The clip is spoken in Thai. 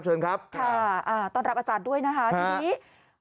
เชิญครับค่ะอ่าต้อนรับอาจารย์ด้วยนะคะทีนี้